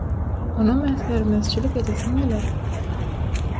onam äsgermezçilik edesiň geler.